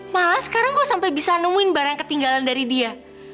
malah sekarang kok sampai bisa nemuin barang yang ketinggalan dari dia